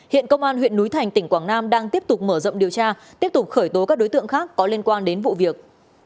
hiện công an huyện núi thành tỉnh quảng nam đang tiếp tục mở rộng điều tra tiếp tục khởi tố các đối tượng khác có liên quan đến vụ việc